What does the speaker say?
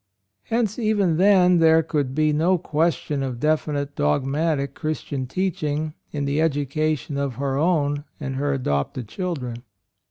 '' Hence even then there could be no question of definite dogmatic Christian teaching in the educa tion of her own and her adopted children.